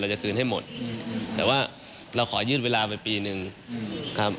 จะคืนให้หมดแต่ว่าเราขอยืดเวลาไปปีหนึ่งครับ